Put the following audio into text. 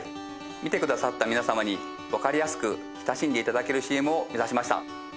見てくださった皆様にわかりやすく親しんで頂けるＣＭを目指しました。